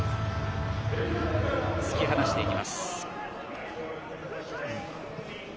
突き放していきます。